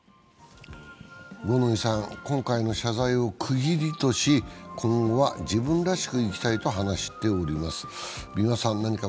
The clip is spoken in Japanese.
五ノ井さんは今回の謝罪を区切りとし今後は自分らしく生きたいと話しています。